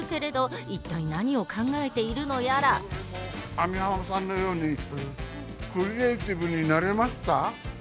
網浜さんのようにクリエーティブになれますか？